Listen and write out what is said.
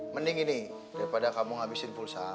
mending ini daripada kamu ngabisin pulsa